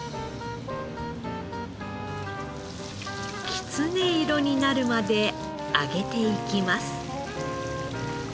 きつね色になるまで揚げていきます。